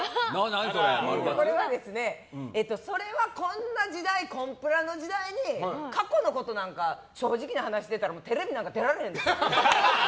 これはこんなコンプラの時代に過去のことなんか正直な話してたらテレビなんか出られへん！